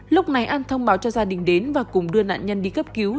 lúc này an thông báo cho gia đình đến và cùng đưa nạn nhân đi cấp cứu